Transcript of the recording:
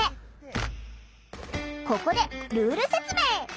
ここでルール説明。